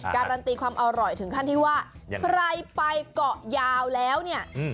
การันตีความอร่อยถึงขั้นที่ว่าใครไปเกาะยาวแล้วเนี่ย